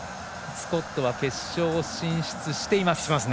スコットは決勝進出しています。